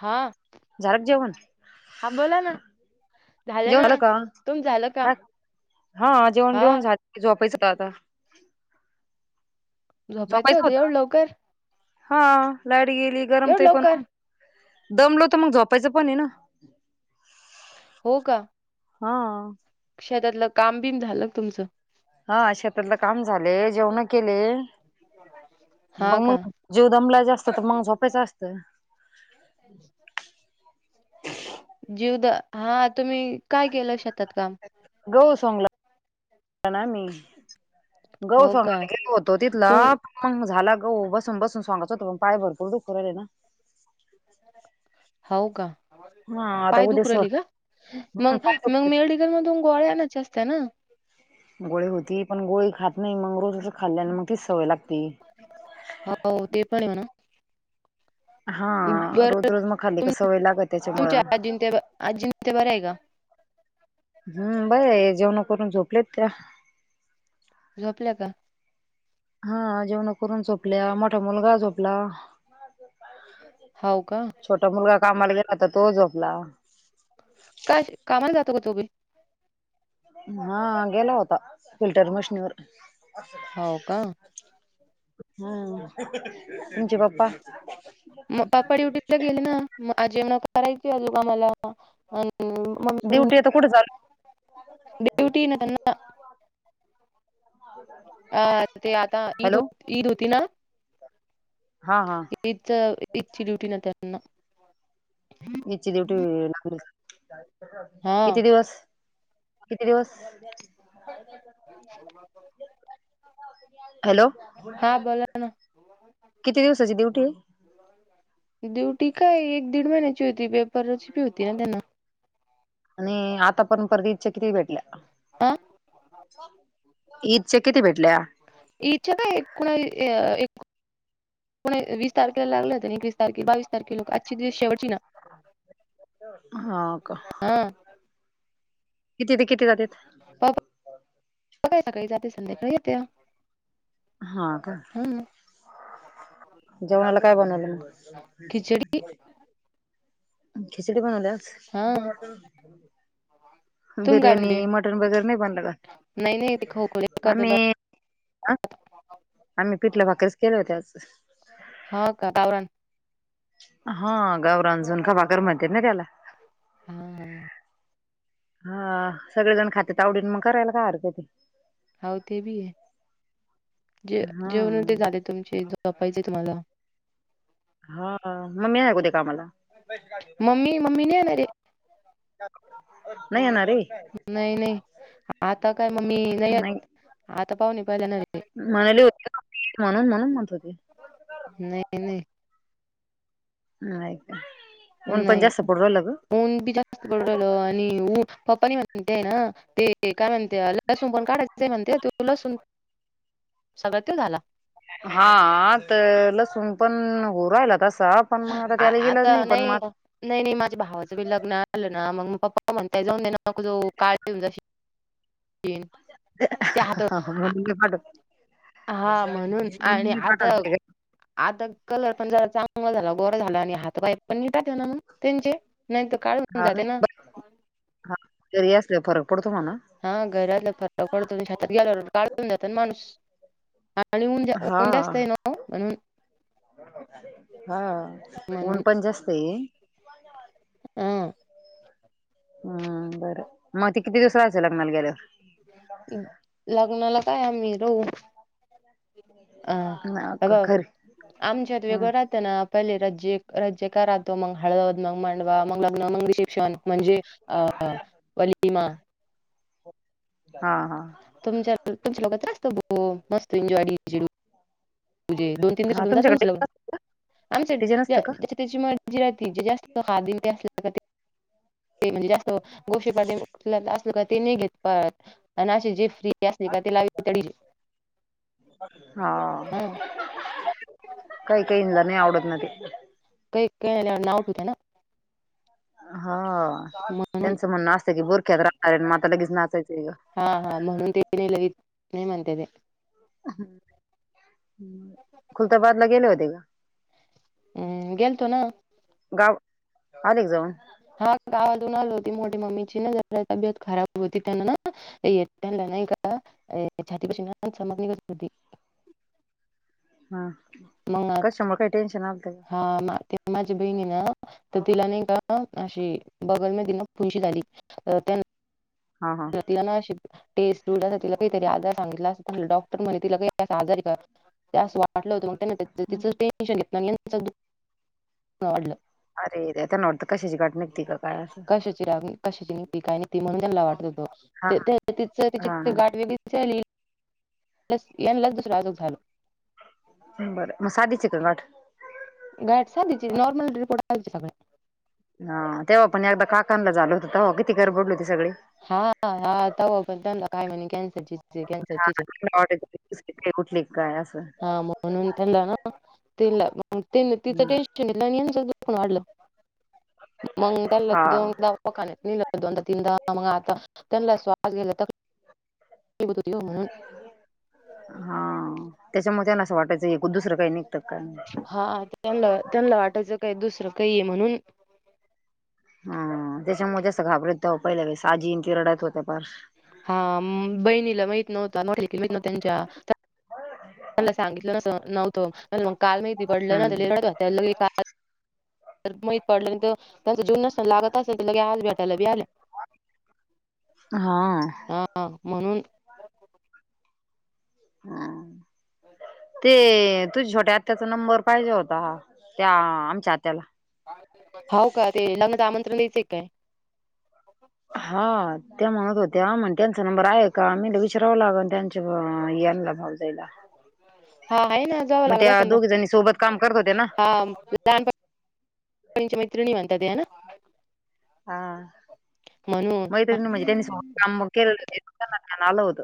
हां, झालं का हां बोलां नां जेवणं झालं कां झालं का कां हां जेवणं हा बेऊंन झां झोपायचं आंता. झोपायचं होतं हां लाईट गेली गरमं एवढं तयं लवकर पणं, दमलो तरं मंग झोपांयचं पणं आहे नां. हो कां, हां! शेतांतल कामं बीम झालं कां तुमचं. हां शेतांतलं कामं झाले जेवणं केले हा बघं मग, का मी जीव दमलांयचां जास्तं असतं तरं मंग झोपायचं असतं. [inaudible] [unintelligible] जीवद हां तुम्हीं कायं केलं शेतांत कामं. गहूं सॉंगला. नां मी गहूं हो का सोगायंला गेलो होतो तिथंला. तुम मंग झालां गहुं बसूंन बसूंन सांगाचं होतं पणं पांय भरंपूर दुखू राहिय नां, हो कां हा आता पाय उद्या दुंखु स राहिले कां हम्म, मंग पाय मगं मेडी, दुखतात मेडिकल मधूंन गोळ्यां आणांयचे असते नां, गोळी होती पणं गोळी खातं नाहीं मंग रोज असं खाल्ल्या आणि मगं तीचं सवंय लागते. हो ते पणं आहे म्हंणां, हा रोज बरं रोज मग खाल्ली का सवय लागत त्याच्यामुळं तुमच्यान आजीं ते आंजीं ते बरं आहे कां? हम्मं बरं हे जेवणं करूंन झोपलेत त्यां. झोपल्यां कां? हां जेवणं करूंन झोपल्यां मोठां मुलंगा झोपलां. हो का छोटा मुलंगा कामांला गेलां तरं तो झोपलां. कायं कामांला जातो कां तोबी? हां गेलां होतां फिल्टंर मशीनवरं. हो का हां हम्मं तुमचे पप्पां, माझे मगं करायची आजोबा अजूंन आम्हांला. ड्युंटी आहे तरं कुठे चाले. ड्युटी ना त्यांना अं ते आंता ईद, हूं हॅलो नं ईद होती नां हा हा ईद ईदची ड्युंटी नां त्यांना. ईद ची ड्युंटी हा किती दिवस, किती दिवसं? हॅलो हा बोला ना किती दिवसांची ड्युंटी आहे हे? ड्युंटी कायं एक दीड महिन्यांची होती पेपरची पी होती नां त्यांना. आणि आंता पणं ईद च्यां किती भेटल्यां. हा ईदच्यां किती भेटल्यां? ईद त्यां एक, को वीस तारखेला लागलंत नां एकवीस तारखे बावीस तारखे लोकं आंजची शेवटी नां. हा का? हा किती ते किती जात्यात? सकाळी सकाळी जात्यात संध्याकाळी येते. हा काय? हम्. जेवणाला काय बनवल मग? खिचडी खिचडी बनवल्या आज. हा तुम काय बिर्याणी, म्हणले मटन वगैरे नाही बनला का? नाही नाही ते खोकले का तुला आम्ही हा आम्ही पिठला भाकरीेच केले होत आज. हा का? का बरं. हा गावरान झुणका भाकर म्हणत्या ना त्याला. हम्. हा, सगळे जण खाते आवडीन मग करायला का हरकं ते. हो ते बी आहे. जे हा जेवण ते झाले तुमचे ज पाहिजे तुम्हाला. हा मम्मी लागू दे कामाला. मम्मी मम्मी नाही येणारे. नाही येणार रे नाही नाही. आता काय ममी नाही येत. आता पाहुणे पाहिल्या नसते. म्हणाले होते म्हणून म्हणून म्हणत होते. नाही नाही. नाही. ऊन पण नाही. जास्त पडू राहिलं ग ऊन बी जास्त बडल आणि पप्पानी म्हणतेय ना. ते काय म्हणते लसूण पण काढायचं ते म्हणते त लसूण सगळं त झाला. हा तर लसुण पण हो राहिला तसा. पण मग आ त्याला ईलाज आता नाही पण मग. नाही नाही माझ्या भावाचं बी लग्न आलं ना मग मग पप्पा म्हणता जाऊन दे ना मग जो काळ येऊन. तीन त्या म्हणून मी पाठव [inaudible] हा म्हणून आणि मी आता पाठवते ग आता कलर पण झाला चांगला झाला गोर झाला आणि हात बाय पण निटात ना मग त्यांचे. नाही त हा नाही हा घरी असल्यावर फरक पडतो मला हा घरी असल्यावर घरातलं फटाफडतो छातात गेला काढून जात ना माणूस. म्हणजे हा ऊन जास्त आहे ना म्हणून. हा ऊन पण जास्त आहे. हम. हम् बरं मग ते किती दिवस राहायचं लग्नाला गेल्यावर? लग्नाला काय आम्ही रहू अ हा का अ खरी आमच्यात ह वेगळं राहतं ना पहिले राजे राज्य [inaudible] तो मग हळद, मग मांडवा, मग लग्न, मग रिसेप्शन म्हणजे वलीमा [unintelligible] हा हा. [unintelligible] [unintelligible] त्याची हा तुमच्याकडे डिझाईन असतं का मर्जी राहते जे जास्त खादी अस [inaudible] [unintelligible] [unintelligible] हा, हा काही काही नाही आवडत ना ते. काही काही ना आवडत होत ना. हा, म्हणून त्यांचं म्हणणं असतं की, बुरख्यात राहणार आहे म आता लगेच नाचायचं ग. हा हा, म्हणून ते नाही लगच नाही म्हणते ते- खुलताबाद लगेले होते का? या गेल्तो ना. गाव अले एक जऊन. हा, गावातून आल होती मोठी मम्मीची ना जरा तब्येत खराब होती त्यांना ना. य नाही का छातीपशी सग कर होती. हा, मग कशमुळ काही टेनशन आलतं का. हा म ते, माझ्या बहिणी हे ना, तर तिला न एकदा अशी बगल तिन पुंशी तर त्यांना. हा हा तिला ना अशी. टेस्टुड तिला काहीतरी आजार सांगितलं अस डॉक्टर म्हणे तिला काही अस आजारी का. असं वाटलं होतं मग त्यां तिचं टेन्शन घेत दुकाना वाढलं. अरे त्यांना वाटतं का कशाची गाठ निघते की, काय असा. कशाची कशाची होती काय नी म्हणून त्यांना वाटत होत हा त ते न तिच हा तिची गाठ वेगळीच. चालील याला दुसरा अजार झालो. बरं म साधी चि हाय का गाठ. गाठसाधीची नॉर्मल रिपोर्टाची अल्ताबाई. हा, तेव्हा पण एकदा काकनला झाल होत तवा किती गर बडली होती सगळी. हा हा, तवा पण त्या काय म्हणे कॅन्सरची कॅन्सर. हा [inaudible] तिकङे हा, म्हणून त्यांना ना तिला बघून तिथं बी तिचं हम्म. टेन्शन. च दूख पन वाढलं मग त्याला हा दोन दा दवाखान्यात नेलं. दोनदा तीनदा मग आता त्यांना श्वास घेला तर. हा, त्याच्या मग असं वाटायचं एक दुसरं काही निघत का नाही. हा, त्यांला त्यांला वाटायचं काय दुसरं आहे म्हणून. हा, त्याच्यामुळे जास्त घाबरत त्या पहिल्या आजीन त रडत होत्या फार. हा, बहिणीला माहित नव्हता न नव्ह त्यांच्या त्या. होय. मला सांगितलं न नव्हतं मग काल महिती पडलंन त हम्म लईरङत. त्या ल काही तर माहित पडलं तर. त्या जीव नसन लागत असे तर लगे आल भेटायला बि आल्या हा हा, हा, म्हणून. हा, हम, ते तुझ्या छोट्या आत्याचा नंबर पाहिजे होता त्या आमच्या आत्याला. हो का ते लग्नात आमंत्रण द्यायचंय काय. हा, त्या म्हणत होते ह म्हण त्यांचा नंबर आहे का विचारव लागल त्यांचा. ह यानला भाऊजयला. हा, हाय ना जवा लागेल सागा दोघी जणी सोबत काम करत होत्या ना हा, लहानपची मैत्रिणी म्हता ते आहे ना. हा म्हणून मैत्रीन म्हणजे त्यासोबत [inaudible] आलो होतो